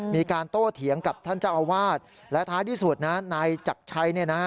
มีการโตเถียงกับท่านเจ้าอาวาสและท้ายที่สุดนะนายจักรชัย